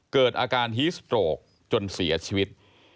เกิดอาการฮีสโตรกจนเสียชีวิต